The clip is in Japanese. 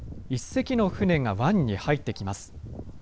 １隻の船が湾に入ってきます。